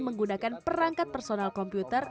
menggunakan perangkat personal komputer